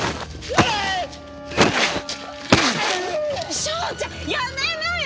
翔ちゃんやめなよ！